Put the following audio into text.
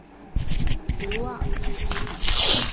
柱仔